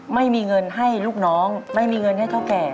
ไม่มีเงินให้ลูกน้องไม่มีเงินให้เท่าแก่